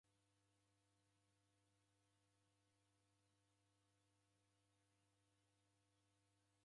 W'afungwa w'a siasa w'ew'ika magome eri w'ilekerelo.